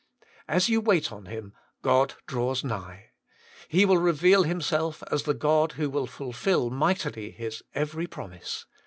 As you wait on Him, God draws nigh. He will reveal Himself as the God who will fulfil mightily His every promise.